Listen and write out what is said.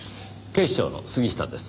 警視庁の杉下です。